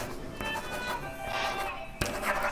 ساده تفریح د مینې وسیله ده.